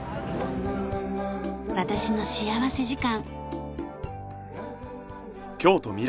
『私の幸福時間』。